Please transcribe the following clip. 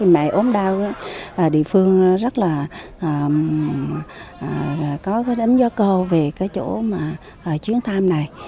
mẹ ốm đau địa phương rất là có đánh giá cô về cái chỗ chuyến thăm này